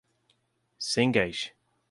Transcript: Sengés